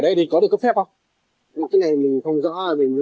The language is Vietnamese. chạy theo khách không anh